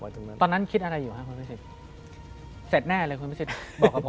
อเจมส์ตอนนั้นคิดอะไรอยู่ครับคุณพิษิฎเสร็จแน่เลยคุณพิษิฎบอกกับผมใช่ไหม